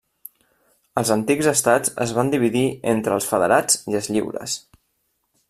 Els antics estats es van dividir entre els federats i els lliures.